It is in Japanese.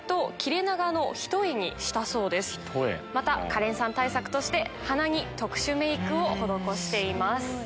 カレンさん対策として鼻に特殊メイクを施しています。